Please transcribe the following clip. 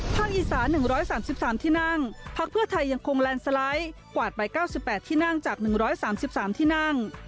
อีสา๑๓๓ที่นั่งพักเพื่อไทยยังคงแลนด์สไลด์กวาดไป๙๘ที่นั่งจาก๑๓๓ที่นั่ง